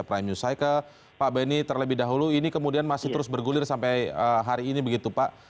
prime news saya ke pak benny terlebih dahulu ini kemudian masih terus bergulir sampai hari ini begitu pak